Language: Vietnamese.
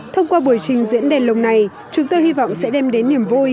thông qua buổi trình diễn đèn lồng này chúng tôi hy vọng sẽ đem đến niềm vui